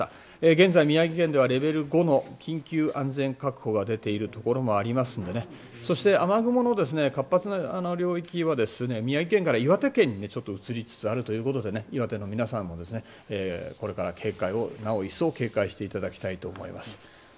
現在、宮城県ではレベル５の緊急安全確保が出ているところもありますのでそして、雨雲の活発な領域は宮城県から岩手県に移りつつあるということで岩手の皆さんもこれからなお一層警戒していただきたいと思います。